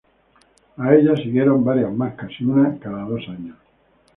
A ella siguieron varias más, casi una cada dos años.